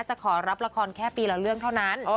จะขอรับละครแค่ปีละเรื่องเท่านั้น